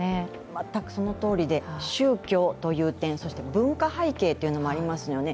全くそのとおりで、宗教という点そして文化背景もありますよね。